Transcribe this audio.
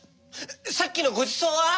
さっきのごちそうは？